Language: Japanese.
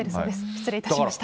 失礼いたしました。